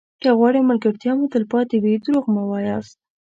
که غواړئ ملګرتیا مو تلپاتې وي دروغ مه وایاست.